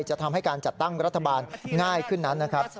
จะทำให้การจัดตั้งรัฐบาลง่ายขึ้นนั้นนะครับ